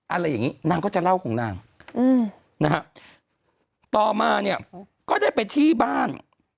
อะไรอย่างนี้นางก็จะเล่าของนางอืมนะฮะต่อมาเนี่ยก็ได้ไปที่บ้าน